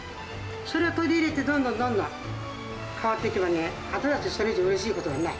それを取り入れて、どんどんどんどん変わっていけば、私たち、それ以上うれしいことはない。